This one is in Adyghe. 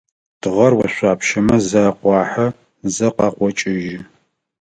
Тыгъэр ошъуапщэмэ зэ акъуахьэ, зэ къакъокӏыжьы.